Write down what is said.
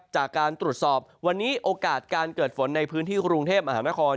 จากการตรวจสอบวันนี้โอกาสการเกิดฝนในพื้นที่กรุงเทพมหานคร